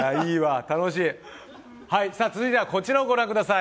続いてはこちらを御覧ください。